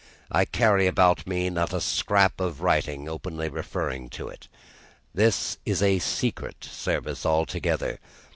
I carry about me, not a scrap of writing openly referring to it. This is a secret service altogether.